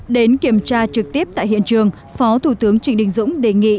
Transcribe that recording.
đến kiểm tra trực tiếp tại hiện trường phó thủ tướng trịnh đình dũng đề nghị